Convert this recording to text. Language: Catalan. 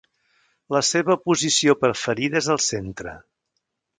La seva posició preferida és al centre.